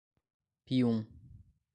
Pium